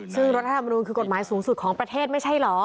ซึ่งรัฐธรรมนูลคือกฎหมายสูงสุดของประเทศไม่ใช่เหรอ